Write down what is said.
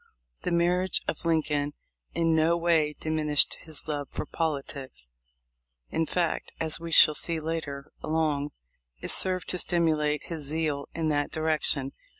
The marriage of Lincoln in no way diminished his love for politics ; in fact, as we shall see later along, it served to stimulate his zeal in that direc tion.